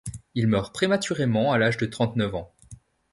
Il meurt prématurément à l'âge de trente-neuf ans.